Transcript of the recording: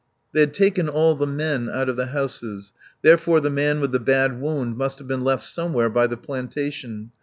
They had taken all the men out of the houses; therefore the man with the bad wound must have been left somewhere by the plantation.